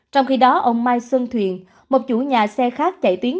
trong khi đó ông mai xuân thuyền một chủ nhà xe khác chạy tuyến